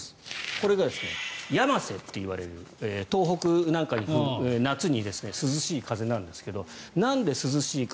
これが、やませといわれる東北なんかに、夏に涼しい風なんですがなんで涼しいか。